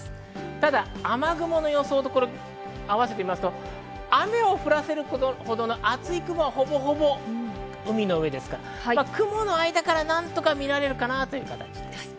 ただ雨雲の予想と合わせると、雨を降らせるほどの厚い雲はほぼ海の上ですから、雲の間から何とか見られるかなという形です。